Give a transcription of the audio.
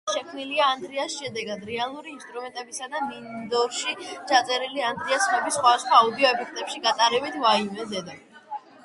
ისინი შექმნილია ექსპერიმენტების შედეგად, რეალური ინსტრუმენტებისა და მინდორში ჩაწერილი ხმების სხვადასხვა აუდიო ეფექტში გატარებით.